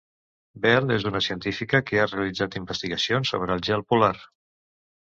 Bell és una científica que ha realitzat investigacions sobre el gel polar.